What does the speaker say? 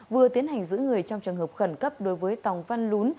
vừa tiến hành giữ người trong trường hợp khẩn cấp đối với tòng văn lún